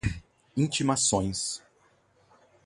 intimações